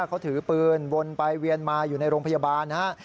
เขาถือปืนวนไปเวียนมาอยู่ในโรงพยาบาลนะฮะ